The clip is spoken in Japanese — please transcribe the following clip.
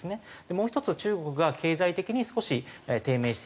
もう１つ中国が経済的に少し低迷している。